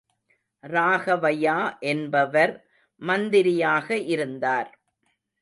ராகவையா என்பவர் மந்திரியாக இருந்தார்.